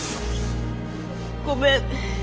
ごめん。